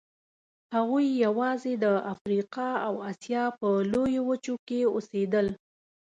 هغوی یواځې د افریقا او اسیا په لویو وچو کې اوسېدل.